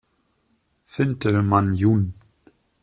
Fintelmann jun.